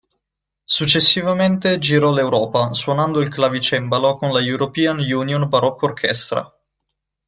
Successivamente girò l'Europa suonando il clavicembalo con la European Union Baroque Orchestra.